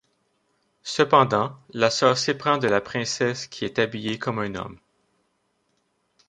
Cependant, la sœur s'éprend de la princesse qui est habillée comme un homme...